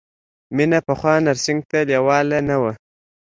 مینه پخوا نرسنګ ته لېواله نه وه